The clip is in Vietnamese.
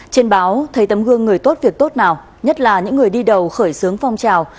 trên báo thấy tấm gương người tốt việc tốt nào nhất là những người đi đầu khởi xướng phong trào